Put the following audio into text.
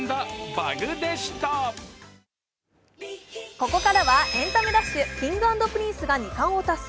ここからは「エンタメダッシュ」Ｋｉｎｇ＆Ｐｒｉｎｃｅが２冠を達成。